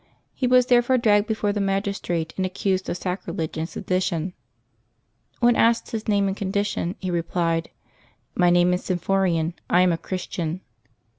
He was therefore dragged before the magistrate and accused of sacrilege and sedition. When asked his name and condition, he replied, " My name is Symphorian; I am a Christian.'